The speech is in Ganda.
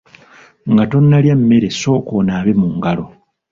Nga tonnalya mmere sooka onaabe mu ngalo.